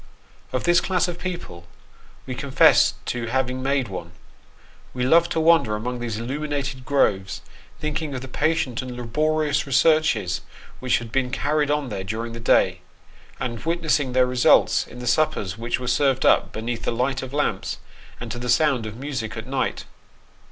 Of this class of people we confess to having made one. We loved to wander among these illuminated groves, thinking of the patient and laborious researches which had been carried on there during the day, and witnessing their results in the suppers which were served up beneath the light of lamps and to the sound of music at night.